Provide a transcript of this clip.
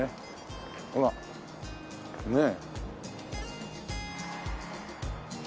ほらねっ。